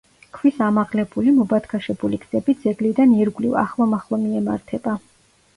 ქვის ამაღლებული, მობათქაშებული გზები ძეგლიდან ირგვლივ, ახლო-მახლო მიემართება.